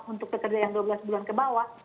untuk pekerja yang dua belas bulan ke bawah